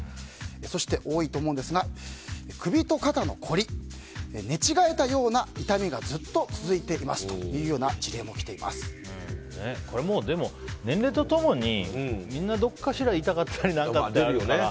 そして多いと思うんですが首と肩の凝り寝違えたような痛みがずっと続ていますというこれはでも年齢と共にみんなどこかしたら痛かったりってあるから。